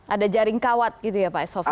ada jaring kawat gitu ya pak sofian